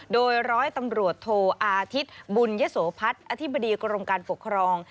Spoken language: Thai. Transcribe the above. โดยร้อยตำรวจโทอาทิตย์บุญยโสพัฒน์อธิบดีกรมการปกครอง